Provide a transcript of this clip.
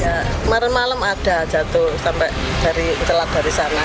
kemarin malam ada jatuh sampai dari telak dari sana